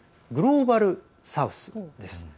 グローバル・サウスです。